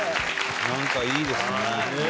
なんかいいですね。